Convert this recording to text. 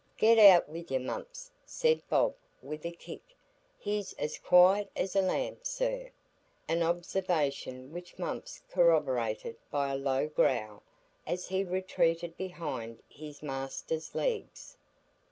"Get out wi' you, Mumps," said Bob, with a kick. "He's as quiet as a lamb, sir,"—an observation which Mumps corroborated by a low growl as he retreated behind his master's legs.